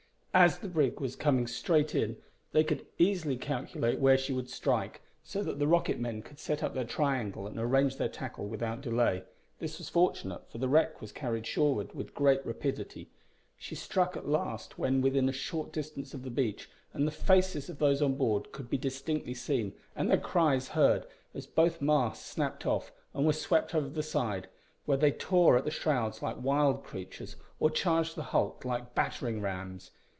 As the brig was coming straight in they could easily calculate where she would strike, so that the rocket men could set up their triangle and arrange their tackle without delay. This was fortunate, for the wreck was carried shoreward with great rapidity. She struck at last when within a short distance of the beach, and the faces of those on board could be distinctly seen, and their cries heard, as both masts snapped off and were swept over the side, where they tore at the shrouds like wild creatures, or charged the hulk like battering rams.